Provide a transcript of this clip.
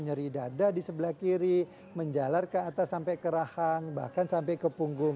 nyeri dada di sebelah kiri menjalar ke atas sampai ke rahang bahkan sampai ke punggung